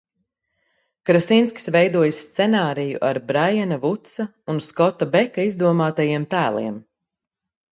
Krasinskis veidojis scenāriju ar Braiana Vudsa un Skota Beka izdomātajiem tēliem.